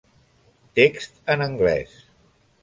Text en anglès.